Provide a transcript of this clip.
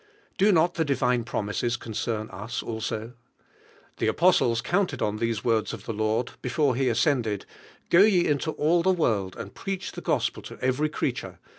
Do not the divine premises concern us also? The apostles counted on these 102 UrmtE UEALINfl. words of the Lord before He ascended, "Go ye into all the world and preach the Gospel to every creature